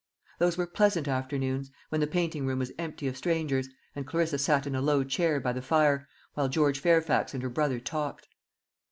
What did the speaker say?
Those were pleasant afternoons, when the painting room was empty of strangers, and Clarissa sat in a low chair by the fire, while George Fairfax and her brother talked.